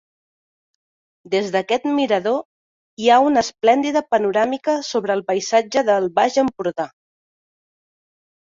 Des d'aquest mirador hi ha una esplèndida panoràmica sobre el paisatge del Baix Empordà.